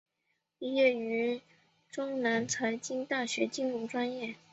毕业于中南财经大学金融专业。